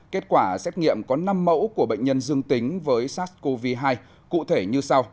kết quả xét nghiệm có năm mẫu của bệnh nhân dương tính với sars cov hai cụ thể như sau